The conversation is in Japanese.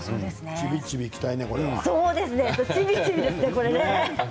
ちびちびいきたいですね。